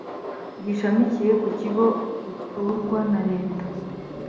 gishamikiye ku kigo utorwa na leta